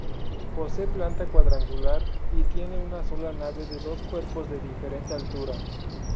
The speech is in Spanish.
Posee planta cuadrangular y tiene una sola nave de dos cuerpos de diferente altura.